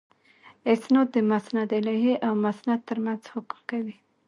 اِسناد د مسندالیه او مسند تر منځ حکم کوي.